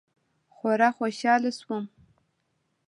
خورا خوشاله سوم.